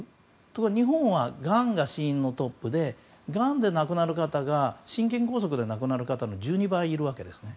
ところが日本はがんが死因のトップでがんで亡くなる方が心筋梗塞で亡くなる方の１２倍いるわけです。